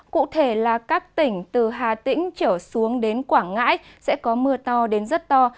cụ thể là các tỉnh từ hà tĩnh trở xuống đến quảng ngãi sẽ có mưa to đến rất to